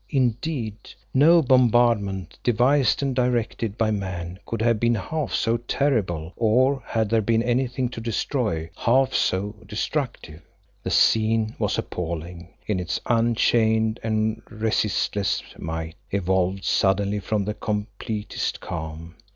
Indeed, no bombardment devised and directed by man could have been half so terrible or, had there been anything to destroy, half so destructive. The scene was appalling in its unchained and resistless might evolved suddenly from the completest calm.